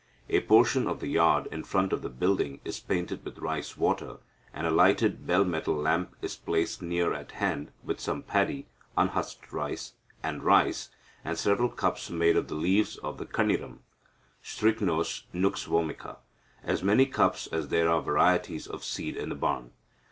A portion of the yard in front of the building is painted with rice water, and a lighted bell metal lamp is placed near at hand with some paddy (unhusked rice) and rice, and several cups made of the leaves of the kanniram (Strychnos Nux vomica) as many cups as there are varieties of seed in the barn.